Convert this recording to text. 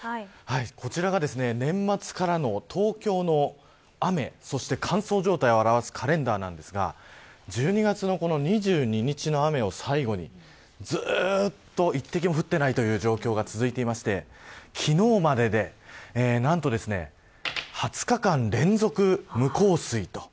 こちらが、年末からの東京の雨、そして乾燥状態を表すカレンダーなんですが１２月のこの２２日の雨を最後にずっと一滴も降っていない状況が続いていまして昨日まで、何と２０日間連続無降水と。